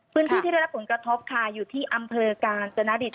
ที่ได้รับผลกระทบค่ะอยู่ที่อำเภอกาญจนดิต